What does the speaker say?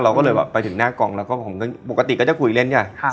เราก็เลยแบบไปถึงหน้ากองแล้วผมก็ปกติก็จะคุยเล่นใช่ป่ะครับ